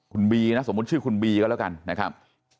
คุณบีนะสมมุติชื่อคุณบีก็แล้วกันนะครับ